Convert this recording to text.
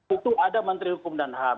itu ada menteri hukum dan ham